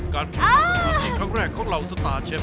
การพูดมาสัมพันธ์อีกครั้งแรกของเราสตาเชฟ